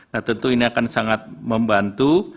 nah tentu ini akan sangat membantu